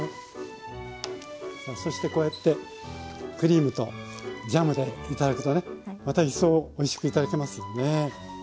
さあそしてこうやってクリームとジャムで頂くとねまた一層おいしく頂けますよね。